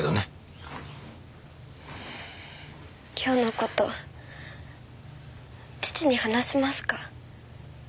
今日の事父に話しますか？